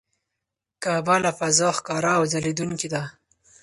کعبه له فضا ښکاره او ځلېدونکې ده.